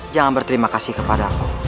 jangan berterima kasih kepada aku